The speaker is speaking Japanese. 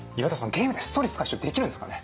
ゲームでストレス解消できるんですかね？